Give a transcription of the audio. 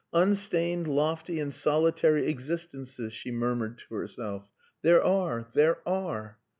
" Unstained, lofty, and solitary existences," she murmured to herself. "There are! There are!